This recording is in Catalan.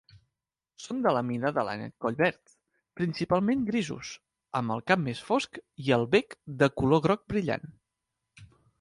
Són de la mida de l'ànec collverd, principalment grisos, amb el cap més fosc i el bec de color groc brillant.